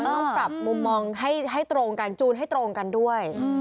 ต้องปรับมุมมองให้ตรงกันจูนให้ตรงกันด้วย